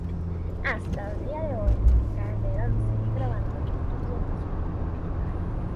Hasta el día de hoy, Calderón sigue grabando y distribuyendo su propia música.